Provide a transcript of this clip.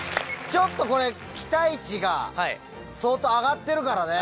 ちょっとこれ期待値が相当上がってるからね。